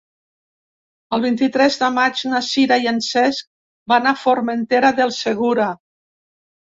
El vint-i-tres de maig na Sira i en Cesc van a Formentera del Segura.